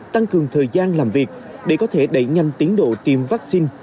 tăng cường thời gian làm việc để có thể đẩy nhanh tiến độ tiêm vắc xin